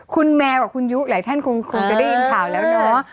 คุณแมวกับคุณยุหลายท่านคงจะได้ยินข่าวแล้วเนาะ